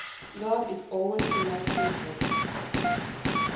God is always the last resource.